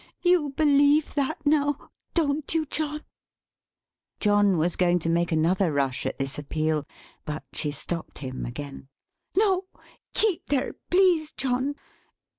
You believe that, now. Don't you John?" John was going to make another rush at this appeal; but she stopped him again. "No; keep there, please John!